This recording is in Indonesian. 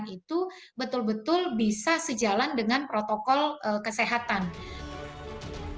dan itu betul betul bisa sejalan dengan protokol kesehatan